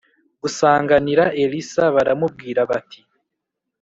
Gusanganira elisa baramubwira bati